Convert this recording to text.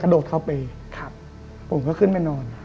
คงมาทั้งสัตว์